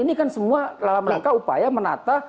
ini kan semua mereka upaya menata